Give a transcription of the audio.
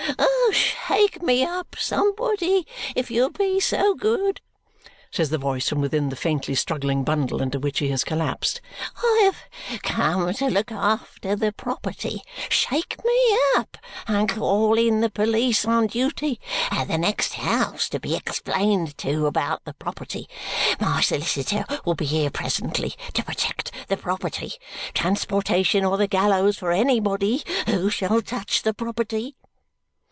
"Shake me up, somebody, if you'll be so good," says the voice from within the faintly struggling bundle into which he has collapsed. "I have come to look after the property. Shake me up, and call in the police on duty at the next house to be explained to about the property. My solicitor will be here presently to protect the property. Transportation or the gallows for anybody who shall touch the property!"